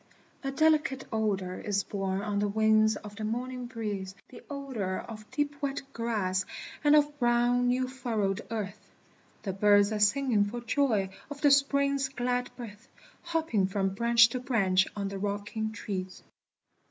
A delicate odor is borne on the wings of the morning breeze, The odor of deep wet grass, and of brown new furrowed earth, The birds are singing for joy of the Spring's glad birth, Hopping from branch to branch on the rocking trees.